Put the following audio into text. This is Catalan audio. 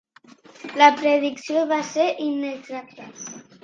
La predicció va ser inexacta.